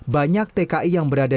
banyak tki yang berada